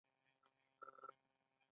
هغوی د محبوب شمیم سره په باغ کې چکر وواهه.